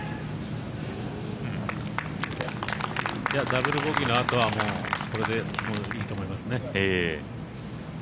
ダブルボギーのあとは、これでもういいと思いますね。